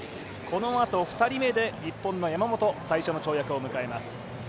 このあと２人目で日本の山本最初の跳躍を迎えます。